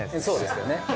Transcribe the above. そうですよね。